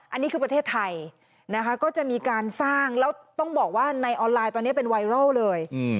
อันนี้คือประเทศไทยนะคะก็จะมีการสร้างแล้วต้องบอกว่าในออนไลน์ตอนนี้เป็นไวรัลเลย